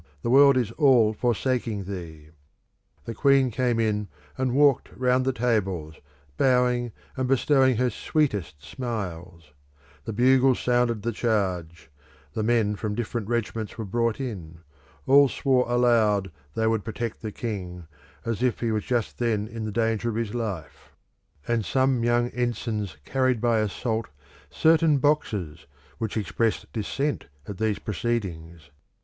the world is all forsaking thee!"; the queen came in and walked round the tables, bowing, and bestowing her sweetest smiles; the bugles sounded the charge; the men from different regiments were brought in; all swore aloud they would protect the king, as if he was just then in danger of his life; and some young ensigns carried by assault certain boxes which expressed dissent at these proceedings.